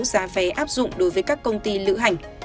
giá vé áp dụng đối với các công ty lữ hành